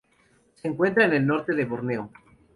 Se encuentra en el norte de Borneo.